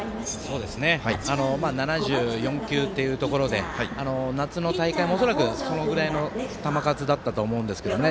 ７４球っていうところで夏の大会も恐らく、そのぐらいの球数だったと思うんですけどね。